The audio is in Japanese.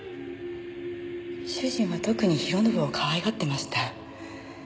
主人は特に弘信をかわいがってました。